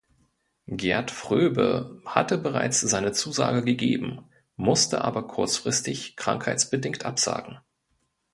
Gert Fröbe hatte bereits seine Zusage gegeben, musste aber kurzfristig krankheitsbedingt absagen.